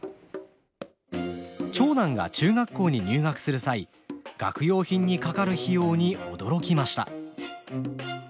長男が中学校に入学する際学用品にかかる費用に驚きました。